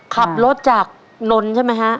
ขับรถจากนนท์ใช่ไหมฮะ